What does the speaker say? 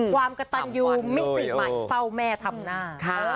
ความกระตันยูมิติใหม่เฝ้าแม่ทำหน้า